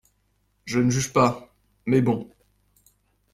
Je ne juge pas, mais bon.